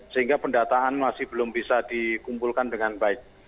sehingga pendataan masih belum bisa dikumpulkan dengan baik